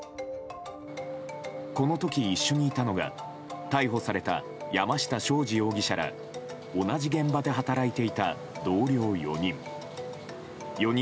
この時、一緒にいたのが逮捕された山下昌司容疑者ら同じ現場で働いていた同僚４人。